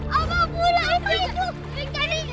alamak apa itu